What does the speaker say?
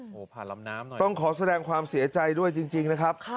โอ้โหผ่านลำน้ำหน่อยต้องขอแสดงความเสียใจด้วยจริงนะครับ